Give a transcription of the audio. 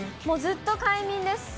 ずっと快眠です。